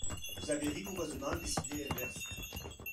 Vous avez rigoureusement décidé l’inverse.